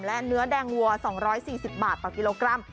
และเนื้อแดงวัว๒๔๐บาทต่อกิโลกรัม